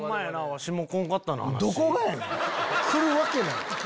来るわけない！